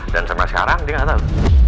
dan sampai sekarang dia gak tau